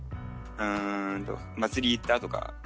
うんと「祭り行った？」とか。